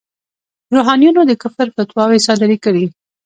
روحانیونو د کفر فتواوې صادرې کړې.